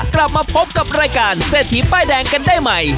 กลับมาพบกับรายการเศรษฐีป้ายแดงกันได้ใหม่